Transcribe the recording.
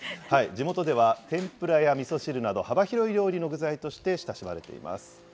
地元では、天ぷらやみそ汁など、幅広い料理の具材として親しまれています。